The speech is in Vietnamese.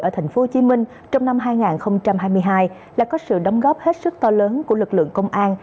ở tp hcm trong năm hai nghìn hai mươi hai là có sự đóng góp hết sức to lớn của lực lượng công an